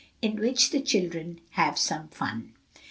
IN WHICH THE CHILDREN HAVE SOME FUN.